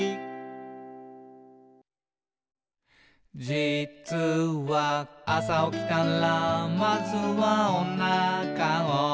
「じつは、朝起きたらまずはおなかを」